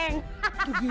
nah kalo yang ini